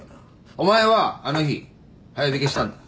お前はあの日早引きしたんだ。